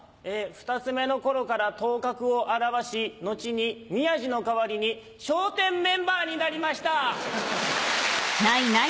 二つ目の頃から頭角を現し後に宮治の代わりに笑点メンバーになりました！